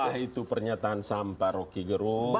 sampah itu pernyataan sampah rocky gerung